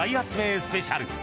スペシャル。